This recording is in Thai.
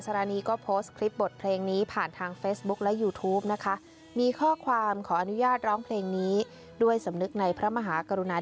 ทรงเป็นที่รักและที่เพิ่งพิงให้เราแสนนาน